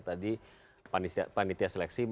tadi panitia seleksi